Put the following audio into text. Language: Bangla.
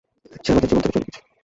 সে আমাদের জীবন থেকে চলে গিয়েছিল।